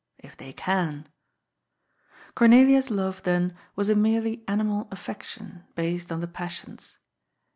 If they can. Cornelia's love, then, was a merely animal affection, based on the passions.